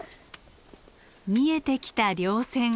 見えてきた稜線。